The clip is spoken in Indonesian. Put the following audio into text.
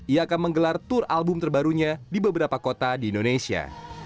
ia akan menggelar tur album terbarunya di beberapa kota di indonesia